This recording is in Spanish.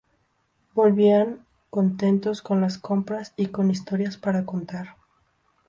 Volvían contentos con las compras y con historias para contar.